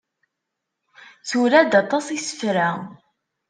Tura-d aṭas n yisefra.